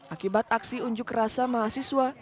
akibat aksi unjuk rasa mahasiswa